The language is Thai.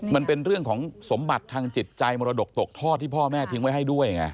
มันเป็นเรื่องของสมบัติทางจิตใจมรดกตกทอดที่พ่อแม่ทิ้งไว้ให้ด้วยไง